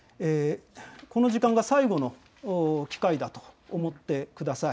この時間が最後の機会だと思ってください。